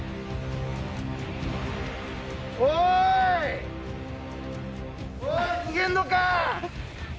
おい逃げんのか！